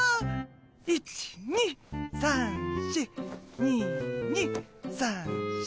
１２３４２２３４。